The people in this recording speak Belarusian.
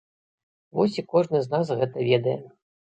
Вось і кожны з нас гэта ведае.